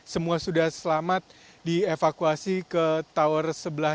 semua sudah selamat dievakuasi ke tower sebelas